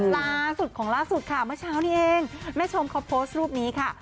ล่าสุดของล่าสุดค่ะเมื่อเช้านี้เองแม่ชมเขาโพสต์รูปนี้ค่ะ